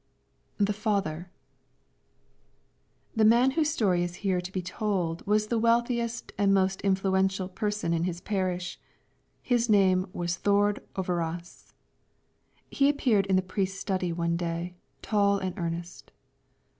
THE FATHER The man whose story is here to be told was the wealthiest and most influential person in his parish; his name was Thord Overaas. He appeared in the priest's study one day, tall and earnest.